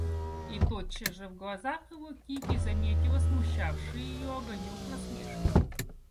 И тотчас же в глазах его Кити заметила смущавший её огонек насмешки.